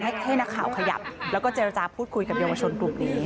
ให้นักข่าวขยับแล้วก็เจรจาพูดคุยกับเยาวชนกลุ่มนี้